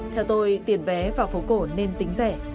theo tôi tiền vé vào phố cổ nên tính rẻ